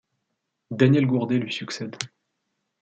Daniel Gourdet lui succède.